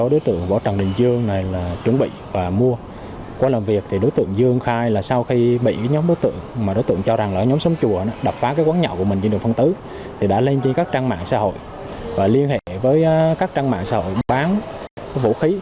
đã lên trên các trang mạng xã hội và liên hệ với các trang mạng xã hội bán vũ khí